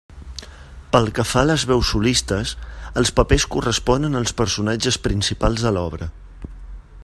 Pel que fa a les veus solistes, els papers corresponen als personatges principals de l'obra.